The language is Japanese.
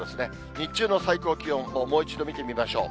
日中の最高気温をもう一度見てみましょう。